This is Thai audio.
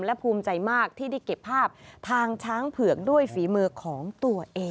และภูมิใจมากที่ได้เก็บภาพทางช้างเผือกด้วยฝีมือของตัวเอง